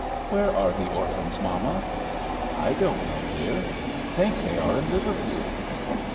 "Where are the orphans, mamma?" "I don't know, dear, I think they are in Liverpool."